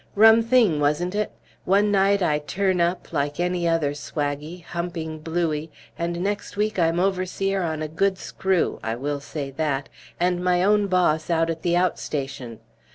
Rum thing, wasn't it? One night I turn up, like any other swaggy, humping bluey, and next week I'm overseer on a good screw (I will say that) and my own boss out at the out station.